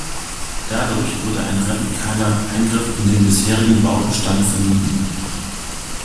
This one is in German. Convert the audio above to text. Dadurch wurde ein radikaler Eingriff in den bisherigen Baubestand vermieden.